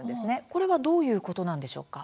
これはどういうことなんでしょうか？